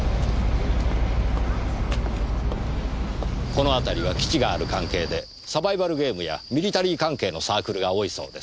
この辺りは基地がある関係でサバイバルゲームやミリタリー関係のサークルが多いそうです。